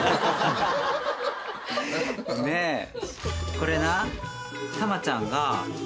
これな。